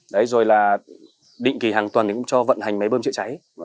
đấy rồi là định kỳ hàng tuần cũng cho vận hành máy bơm chạy cháy